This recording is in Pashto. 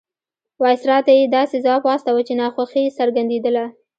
وایسرا ته یې داسې ځواب واستاوه چې ناخوښي یې څرګندېدله.